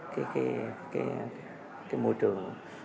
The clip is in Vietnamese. cái môi trường